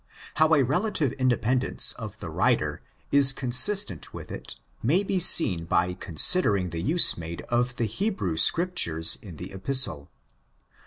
How a relative independence of the writer is consistent with it may be seen by considering the use made of the Hebrew Scriptures in the Epistle.